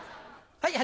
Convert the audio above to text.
はい。